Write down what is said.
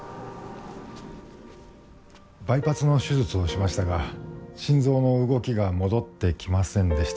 バイパスの手術をしましたが心臓の動きが戻ってきませんでした。